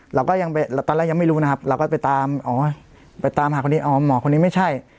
เราก็ยังไปตอนแรกยังไม่รู้นะครับเราก็ไปตามอ๋อไปตามหาคนนี้อ๋อหมอคนนี้ไม่ใช่